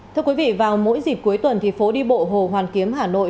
thưa quý vị vào mỗi dịp cuối tuần thì phố đi bộ hồ hoàn kiếm hà nội